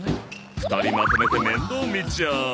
２人まとめて面倒見ちゃう。